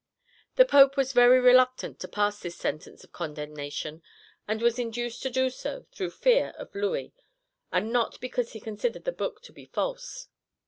The Pope was very reluctant to pass this sentence of condemnation, and was induced to do so through fear of Louis, and not because he considered the book to be false.